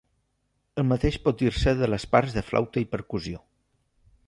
El mateix pot dir-se de les parts de flauta i percussió.